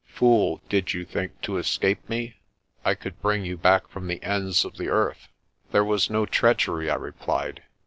"Fool, did you think to escape me? I could bring you back from the ends of the earth." "There was no treachery," I replied.